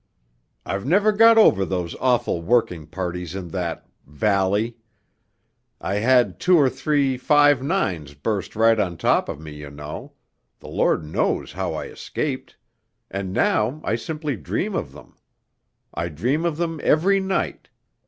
'I've never got over those awful working parties in that valley; I had two or three 5 9's burst right on top of me, you know ... the Lord knows how I escaped ... and now I simply dream of them. I dream of them every night